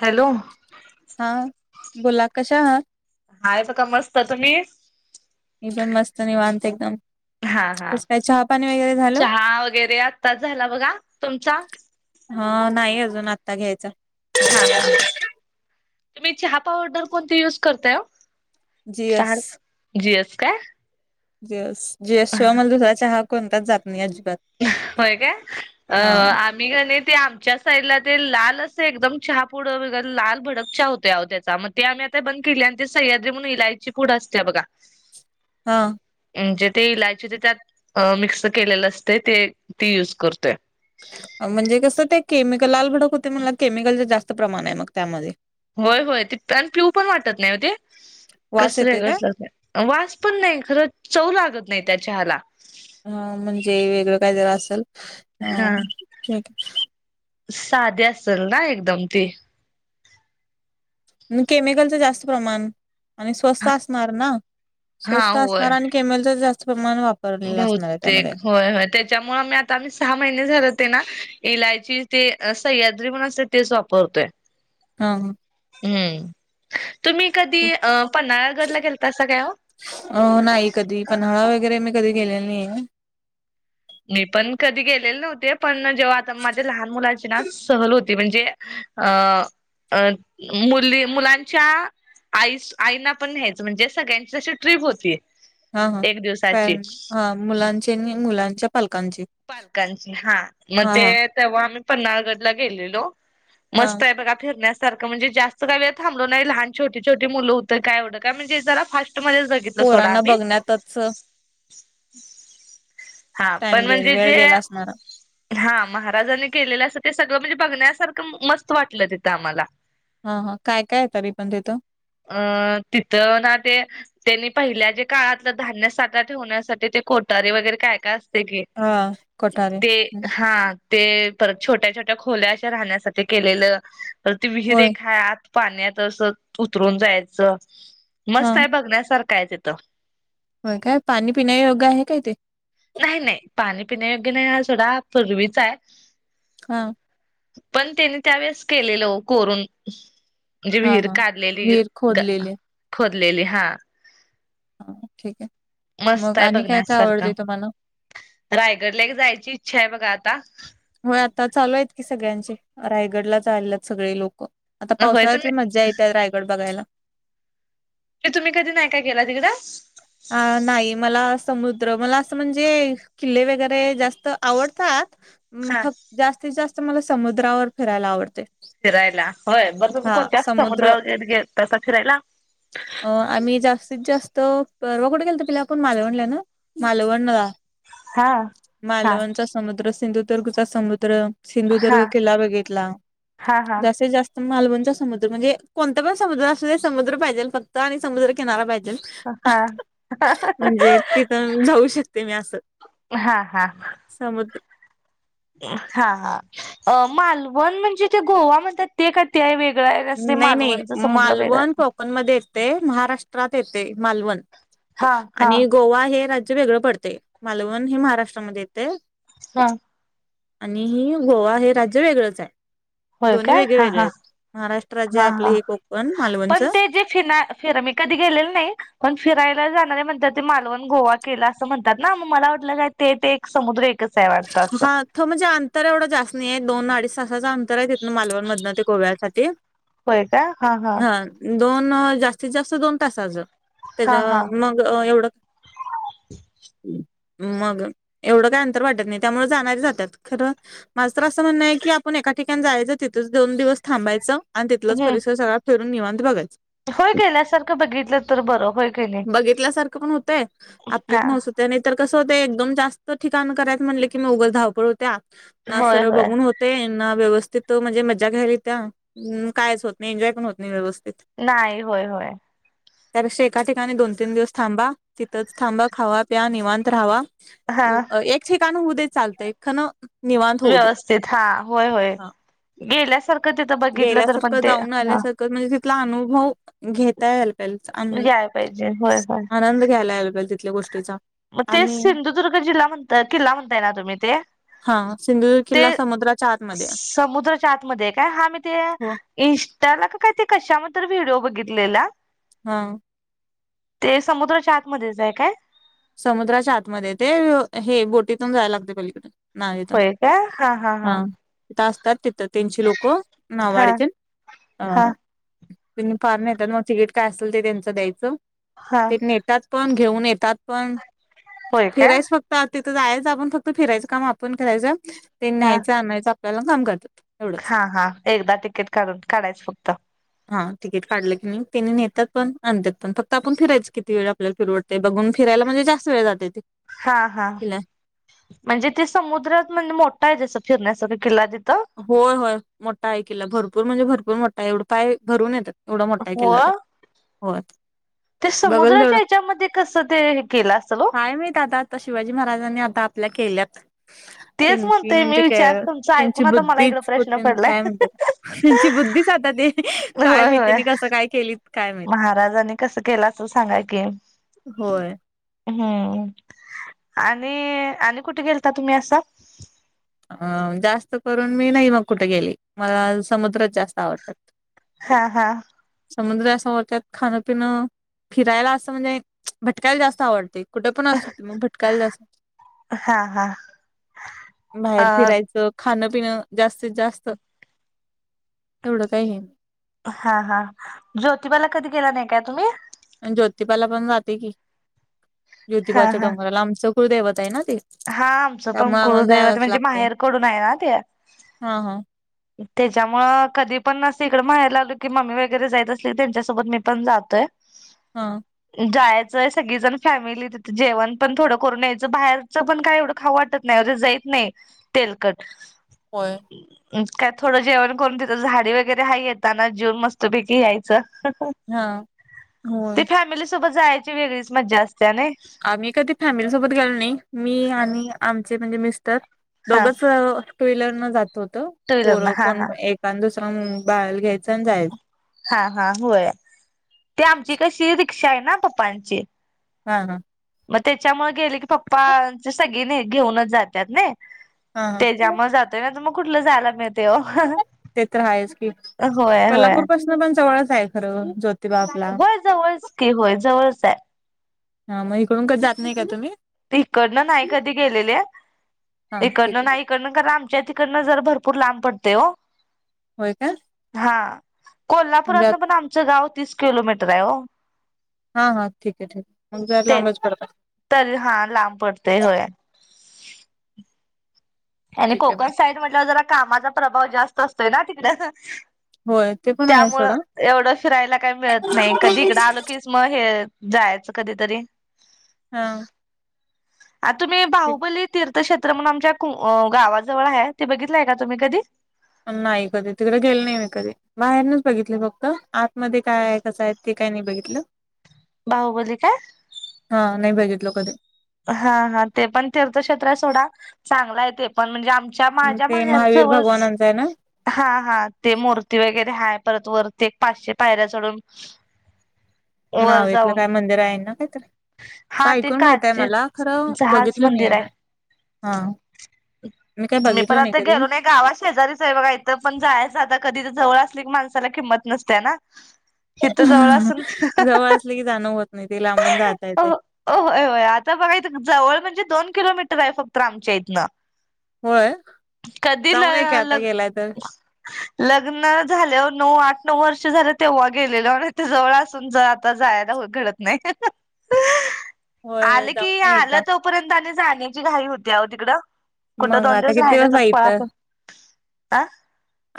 Hello. ! हा.. बोला, कशा आहात? हाय, ब का, मस्त तुम्ही...? मी पण, मस्त, निवांत एकदम. हा हा, कसं काय चहा पाणी वगैरे झालं? चहा वगैरे आताच झाला बघा, तुमचा? हा, नाही अजून आत्ता घ्यायचा. हा हा, तुम्ही चहा पावडर कोणती युज करताय ओ? जीएस... चार जीएस काय जीएस, जीएस, शिवाय मला दुसरा चहा कोणताच जात नाही. अजिबात होय. काय.. अ हा आ.. गणे ते आमच्या साईडला, ते लाल असं एकदम चहा पुड लाल भडक चहा होतेह. त्याचा म ते, आम्ही आता बंद केली, आणि ते सह्याद्री म्हणून इलायची पुड असल्या बघा. हा.. म्हणजे ते इलायची त्यात मिक्स केलेलं असतय,. ते ती यूज करतोय. म्हणजे कसं ते, केमिकल लाल भडक होतय. मग केमिकलच जास्त प्रमाण आहे. मग त्यामध्ये. होय, होय, ते प पिऊ पण वाटत नाही ओ ते. वास येतोय कसलं काय? वास पण नाही. खरं चव लागत नाही. त्या चहाला. ह म्हणजे, वेगळं काहीतर असल. अ हा ठीक. साधे असेल ना एकदम ती. केमिकलच जास्त प्रमाण आणि स्वस्त असणार, ना हा स्वस्त असणार आणि केमल, जास्त प्रमाण वापर बहतेक, होय... होय. त्याच्यामुळे, आमही आता, आम्ही सहा महिने झाले. ते ना, इलायची ते सह्याद्री म्हण असते. तेच वापरतोय. हा हा [unintelligible] हम्म... तुम्ही... कधी अ.. पन्हाळागडला गेलतासा काय? अ... नाही कधी, पन्हाळा वगैरे मी कधी गेलेला नाही आहे. मी पण कधी गेलेले नव्हते. पण जेव्हा आता माझ्या लहान मुला हो.... म्हणजे, अ... मु मुलांच्या आई.. आईना पण घ्यायचं, म्हणजे सगळ्यांची अशी ट्रीप होतीय. हा... हा प हा मुलांचे, आणि मुलांच्या पालकांचे, पालकांची हा, मग हा ते हा तेव्हा, आम्ही पन्हाळगडला गेलेलो. हा मस्त आहे. बघा फिरण्यास सारं म्हणजे, जास्त का वे थबलो नाही. लहान छोी छोटी मुलं होतते. कायवढं काय म्हणजे जरा फास्टमध्ये पोरांना बघण्यातच.... हा.... टाइम पण गेल म्हणजे वेळ जे गेला असणार हा.... महाराजांनी केलेलं, असं ते सगळं म्हणजे बघण्यासारखं मस्त वाटलं. तिथं आम्हाला, हा.. हा.. काय.. काय.. तरी, पण तिथं. अ... तिथं ना.. ते त्यांनी, पहिल्या जे काळातलं धान्य साठा ठेवण्यासाठी, ते कोटारी वगैरे काय का असते की, हा [unintelligible] कोठारे ते हं. हा.... ते परत छोट्या, छोट्या, खोल्या अशा राहण्यासाठी केलेलं. तर, त विहीर होय एक हाय आत पाण्यातत अस, उतरून जायच. हा मस्त आहे. बघण्यासारखा आहेच, तथं काय? पाणी पिण्या योग्य आहे काय ते? नाही, नाही, पाणी पिण्या योग्य नाही. हा थोडा पूर्वीच आहे. हा.... पण, त्यांनी, त्यावेेळेस केलेल कोरून. म्हणजे हा विहीर हा काढलेली, विहीर ग खोदलेले खोदलेली हा.... हा ठीक आहे. मग, आणि काय, काय, आवडतेय तुम्हाला. रायगड लेक जायची इच्छा आहे. बघा आता होय आता चालू आहेत की सगळ्यांचे रायगडला चाललेत सगळे लोक. आता होय पावसाळ्यातच तुम्ही मज्जा येत रायगड बघायला. ते तुम्ही कधी नाही का? केला तिकडं. अ नाही मला समुद्र मला असं म्हणजे किल्ले वगैरे जास्त तर आवडतात. हा फक्त जास्तीत जास्त, मला समुद्रावर फिरायला आवडते. फिरायला होय बर तुम्ही हा कोणत्या? जास्त समुद्र समुद्रावर तसा फिरायला. अ आम्ही जास्तीत जास्त परवा कुठं गेलं तर तिला आपण मालवणला ना मालवण हा हा मालवणच समुद्र सिंधुदुर्ग चा समुद्र हा सिंधुदुर्ग किला बघितला हा हा जास्तीत जास्त- मालवणचा समुद्र म्हणजे कोणता पण समुद्र असले समुद्र पाहिजेल फक्त आणि समुद्र किनारा पाहिजे. हा. म्हणजे तिथं जाऊ शकते मी असं हा हा समुद्र. हा हा मालवण म्हणजे ते गोवा म्हणतात. ते का ते आहे वेगळां आहे असे मालवणचं समुद्र वेगळा आहे. पण मध्ये येते महाराष्ट्रात येते मालवण. हा हा आणि गोवा हे राज्य वेगळं पडते मालवण हे महाराष्ट्रामध्ये येते. हा. आणि ही गोवा हे राज्य वेगळंच आहे. होय दोन्ही काय वेगळे हा वेगळे ह आहेत महाराष्ट्र राज्य हा आपले ह हे कोकण पण मालवणचं ते जे फिना फिरा मी कधी गेले नाही पण फिरायला जाणारे म्हणात ते मालवण, गोवा केला असं म्हणतात ना मग मला वाटलं काय ते ते एक समुद्र एकच. आहे वाटतं असं. हा तर म्हणजे अंतर एवढं जास्त नाही आहे दोन अडीच तेज अंतर आहे तिथन मालवण मधन ते गोव्यासाठी. होय का हा हा. दोन जास्तीत जास्त दोन तासचा हा त्याच्या हा मग एवढ [inaudible] मग एवढं काय वाटत नाही त्यामुळे जाणारी जातात खर माझं तर असं म्हणणं आहे की आपण एका ठिकाण जायचं तिथच दोन दिवस थांबायचं. आणि तिथलाच हम्म परिसर सगळाफिरून निवांत बघायचं. होय गेल्यासारखं बघितलं तर बरं होय की नाही [inaudible] बघितल्यासारखं पण होतंय आपली हा पण स ते नाहीतर कसं होत एकदम जास्त ठिकाण करायच म्हटले की मग उगच धावपळ होत्या. ना होय सर होय बघून हो ते ना व्यवस्थित म्हणजे मजा घ्यायली त्या कायच होत नाही एन्जॉय पण होत नाही व्यवस्थित. नाही होय होय. त्यापेक्षा एका ठिकाणी दोन, तीन दिवस थांबा. तिथंच थांबा खावा, प्या निवांत राहावा. हां. अ एक ठिकाणं हुद्ये चालतंय खणं निवांत होऊ दे व्यवस्थित हा होय होय हा गेल्यासारखं तिथं बघितलं तर पण गेल्यासारखं ते जाऊन हा. आल्यासारखं म्हणजे तिथला अनुभव घेता याला पहिलचा, याय पाहिजे होय होय आनंद घ्यायला याला पाहिजे तिथल्या गोष्ट मग तेच सिंधुदुर्ग जिल्हा म्हणताय किल्ला म्हणताय ना ते. हा सिंधुदुर्ग ते किल्ला समुद्राच्या आतमध्ये आहे. समुद्रच्या आतमध्ये आहे काय? हा मी ते हो इंस्टाला का काय ते कशा म तर व्हिडिओ बघितलेला. हा. ते समुद्रच्या आतमध्येच आहे काय? समुद्राच्या आतमध्ये ते हे बोटीतून जायला लागते पलीकडे. नावेतून होय काय? हा त्या असतात तिथं तीनशे लोकं हा हा नावाडचे अ हा त्यांनी फार नेतात मग तिकीट काय असेल ते त्यांच द्यायचं. हा तिथंन त्यात पण घेऊन येतात पण होय काय फिरायच फक्त तर तिथं जायच आपण फक्त फिरायचं काम आपण करायचं ते हा न्यायाच आणायचं आपल्याला काम करतात. एवढंच हा हा एकदा तिकीट काढून काढायचं फक्त. हा तिकीट काढलं की नाही तेनी नेतात पण आणतात पण फक्त आपण फिरायचं किती वेळ आपल्याला, परवडते बघून फिरायला म्हणजे जास्त वेळ जाते ते. हा हा किल्ला म्हणजे ते समुद्रात म्हणजे मोठा आहे जस फिरण्यासारख किल्ला तिथं? होय होय मोठा आहे किला भरपूर म्हणजे भरपूर मोठा आहे एवढं पाय भरून येतात. एवढा मोठा आहे हो किल्ला त्यो होय. ते बघल तेवढं समुद्राच्या ह्याच्यामध्ये कसं ते केलं असल ओ? काय माहित आता, आता शिवाजी महाराजांनी आता आपल्या केल्यात तेच त्यांची म्हणतोय मी म्हणजे विचार काय तुमचा ची ऐकून आता मला बुधीच इकड प्रश्न पडलाय काय म्हणत्यात, त्यांची बुद्धीच आता काय होय होय माहिती कस काय काय? केली महाराजांनी कसं केलं असं सांगाय कि होय हम्म आणि आणि कुठे गेलता तुम्ही असा अं जास्त करून मी नाही मग कुठे गेली मला समुद्रच जास्त आवडतात. हा हा. समुद्र समोरच्या त्यात खाणं पिणं फिरायला असं म्हणजे भटकायला जास्त आवडते कुठे पण असत मग भटकायला जास्त हा हा. बाहेर अ फिरायचं खाणं पिणं जास्तीत जास्त एवढं काही आहे. हा हा ज्योतिबाला कधी गेला नाही काय तुम्ही ज्योतिबाला पण जाते कि हा ज्योतिबाच्या हा डोंगराला आमच कुळ देवत आहे ना ते हा आमचं पण त्यामुळे आम्हाला कुळुदैवत जायलाच म्हणजे लागते माहेर कडून आहे ना ते हा हा त्याच्यामुळ कधी पण असं इकडं म्हयला लागलो की म्मी वगैरे जायत असली की त्यांच्यासोबत मी पण जातोय. ह [unintelligible] हा. जायचंय सगळी जण फॅमिली तिथे जेवण पण थोडं करून यायचं बाहेर पण काय एवढं खाऊ वाटत नाहीे जाईत नाही तेलकट होय. काय थोडं जेवण करून तिथं झाडी वगैरे हा येेतना जीव मस्तपैकी यायचं हा होय ते फॅमिली सोबत जायची वेगळीच मज्जा असते आणि आम्ही कधी फॅमिली सोबत गेलो नाही मी आणि आमचे म्हणजे मिस्टर हा दोघच टू व्हीलर न जात होत टू व्हीलरनं पोरं हा कोण हा. एका दुसरा बाळ घ्यायचं आणि जायचं. हा हा होय ते आमची कशी रिक्षा आहे ना पप्पांची हा हा. मग त्याच्यामुळे गेले की पप्पा सगळे नाही घेऊनच जातात ना हा हा त्याच्यामुळे जातोय ना तर मग कुठलं जायला मिळते हो ते तर राहा आहेच की होय होय कोल्हापूर पासून पण जवळच आहे खरं ज होय जवळच की होय जवळच आहे. हा मग इकडून क जात नाही का तुम्ही. इकडनं नाई कधी गेलेले हा ठीक आहे इकडनं नाईक तिकडन आमच्या तिकडन जर भरूर लांब पडतेय ओ. होय का? हा म्हणजे कोल्हापुरातन पण आमचं गाव तीस किलोमीटर आहे हो. हा हा ठीक आहे ठीक आहे मग जर लांबाच पडत तरी हा लांब पडते होय. आणि ठीक आहे. कोकण साईड म्हटलं जरा कामाचा प्रभाव जास्त असतोय ना तिकडे होय ते पण आहे त्यामुळ सोडा एवढं फिरायला काही मिळत नाही कधी इकडं आलो की मग हे जायचं कधीतरी हा आ तुम्ही ते- बाहुबली तीर्थक्षेत्र म्हणून आमच्या को.. गावाजवळ आहे. ते बघितलंय का तुम्ही कधी. नाही कधी तिकडे गेल नाही मी कधी बाहेरनच बघितली फक्त आतमध्ये काय आहे कसं आहे ते काय नाही बघितलं? बाहुबली कायं? हा नाही बघितलो कधी. हा हा ते पण तीर्थक्षेत्र सोडा चांगला आहे. ते पण म्हणजे आमच्या माझ्या ते माहेर महावीर जवळचं भगवानांचं आहे ना हा हा ते मूर्ती वगैरे हाय परत वरती पाचशे पायऱ्या चढून [unintelligible] नावेतलं जाऊन काय मंदिर आहे ना काहीतरी. असं हा ते ऐकून माहित आहे मला काचेच खरं जहाज बघितलं नाही मंदिर मी आहे. हा काय मी पण बघितलो आता कधी गेलो नाही गावा शेजारीचं आहे बघा तर पण जायाचं आता कधी तर जवळ असली की माणसाला किंमत नसते ना इथं जवळ असनं जवळ असले की जाणं होत नाही ते लांबून जाता हा..... येते होय होय आता बघाय जवळ म्हणजे दोन किलोमीटर आहे फक्त आमच्या इथनं. होय कधी ल जाऊन ये की आता लग गेलाय तर लग्न झाल्यावर नऊ आठ नऊ वर्ष झालं तेव्हा गेलेलो नाहीत जवळ असून जात आता जायला हो घडत नाही. होय होय आलं की जाऊन ये आलं एकदा तोपर्यंत आणि जाण्याची घाई होती हो तिकडं. कुठं मग दोन आता दिवस किती राहिले तर आहे पळा इथं पळ [unintelligible] अं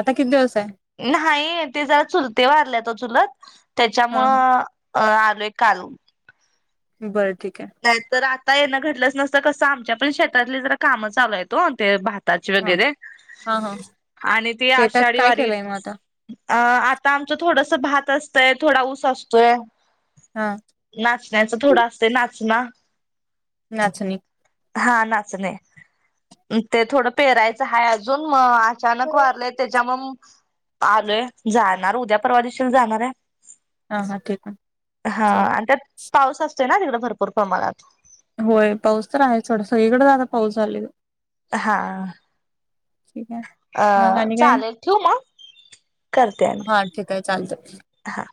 आता किती दिवस आहे नाही ते जरा चुलते वारलेत चुलत हा हा त्याच्यामुळं अ आलोय एक कारू बरं ठीक आहे. नाही तर आता येणं घडलंच नसतं कसं आमच्या पण शेतातले जरा काम चालू आहेत हो ते भा टाच हा वगैरे हा हा आणि ती शेतात आषाढी काय केलंय वारीतं मग आता अ... आता आमचं थोडस भात असतंय थोडा ऊस असतोय. हं..... नाचण्याचं थोडं असते नाचना. नाचणी. हा नाचणे. ते थोडं पेरायचं आहे अजून मग अचानक हा वारलेय त्याच्या मग आलोय जाणार उद्या परवादेशील जाणार आहे. हा ठीक आहे हा.. चाल आणि त्यात पाऊस असतोय ना तिकडं भरपूर प्रमाणात होय पाऊस तर आहे थोडासा सगळीकडे आता पाऊस झालेय. हां ठीक आहे. अ... मग आणि काय चालेल ठेवूं मग करते आणि हा ठीक आहे. चालतं हां